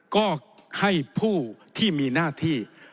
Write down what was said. ก็ให้ผู้ที่มีหน้าที่